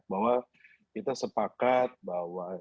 bahwa kita sepakat bahwa dalam hal ini